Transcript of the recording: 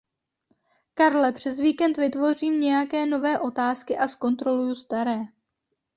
Karle, přes víkend vytvořím nějaké nové otázky a zkontroluju staré.